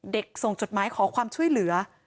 ส่งจดหมายขอความช่วยเหลือ